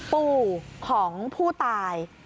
ปู่ของผู้ตาย